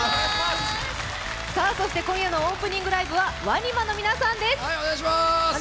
そして今夜のオープニングライブはＷＡＮＩＭＡの皆さんです。